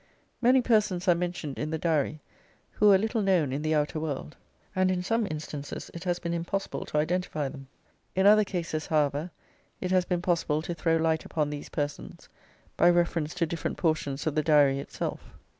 Many persons are mentioned in the Diary who were little known in the outer world, and in some instances it has been impossible to identify them. In other cases, however, it has been possible to throw light upon these persons by reference to different portions of the Diary itself.